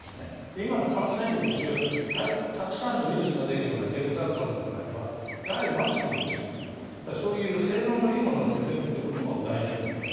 今の感染力が強いたくさんのウイルスが出るようなデルタ株の場合はやはりマスクもそういう性能のいいものを着けることも大事だと思います。